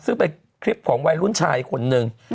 ซึ่งเป็นคลิปของวัยรุ่นชายคนหนึ่ง